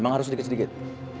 memang harus sedikit sedikit